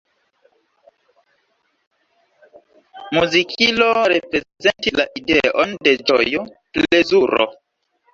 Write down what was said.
Muzikilo reprezentis la ideon de ĝojo, plezuro.